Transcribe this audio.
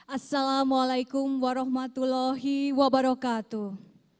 assalamualaikum warahmatullahi wabarakatuh